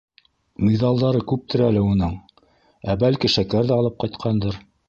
Миҙалдары күптер әле уның, ә бәлки, шәкәр ҙә алып ҡайтҡандыр...